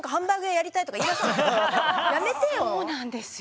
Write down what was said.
そうなんですよ。